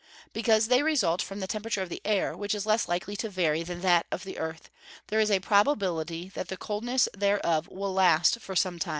_ Because as they result from the temperature of the air, which is less likely to vary than that of the earth, there is a probability that the coldness thereof will last for some time.